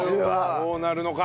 どうなるのか！？